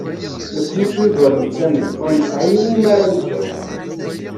Nekni s wid ur nettamen, ur nesɛi iwumi ara nedɛu.